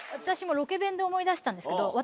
私もロケ弁で思い出したんですけど。